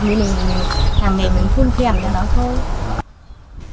thì mình hàng ngày mình phun kèm cho nó thôi